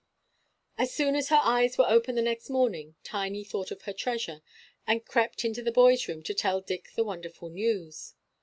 As soon as her eyes were open the next morning Tiny thought of her treasure, and crept into the boys' room to tell Dick the wonderful news.